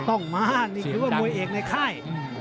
ต้องมานี่คือว่ามวยเอกในค่าย